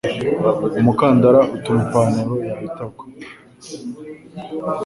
Umukandara utuma ipantaro yawe itagwa.